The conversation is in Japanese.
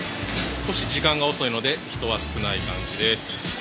少し時間が遅いので人は少ない感じです。